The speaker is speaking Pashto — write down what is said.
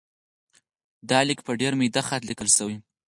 دا لیک په ډېر میده خط لیکل شوی.